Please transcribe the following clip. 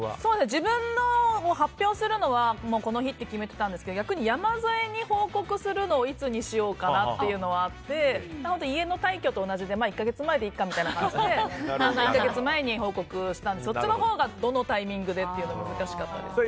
自分が発表するのはこの日って決めていたんですけど逆に山添に報告するのはいつにしようかなっていうのはあって家の退去と同じで１か月前でいいかみたいな感じで１か月前に報告したんですけどそっちのほうがどのタイミングか難しかったですね。